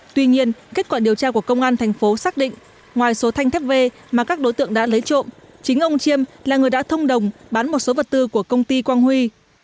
tuy nhiên kết quả điều tra của công an thành phố xác định ngoài số thanh thép v mà các đối tượng đã lấy trộm chính ông chiêm là người đã thông đồng bán một số vật tư của công ty quang huy